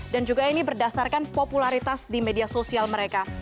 dan juga ini berdasarkan popularitas di media sosial mereka